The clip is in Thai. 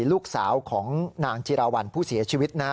ลูกสาวของนางจิราวัลผู้เสียชีวิตนะ